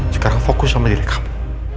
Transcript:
sekarang fokus sama diri kamu